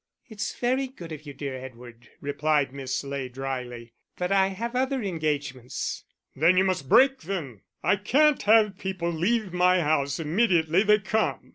"It's very good of you, dear Edward," replied Miss Ley drily, "but I have other engagements." "Then you must break them; I can't have people leave my house immediately they come."